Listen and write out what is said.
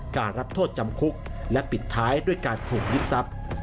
การรับโทษจำคุกและปิดท้ายด้วยการถูกยึดทรัพย์